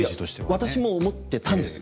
私も思ってたんです。